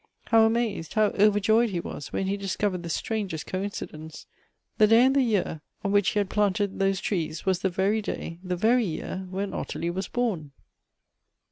How amazed, how overjoyed he was, when he discovered the strangest coincidence ! The day and the year on which he had planted those trees, was the very day, the very year, when Ottilie was born.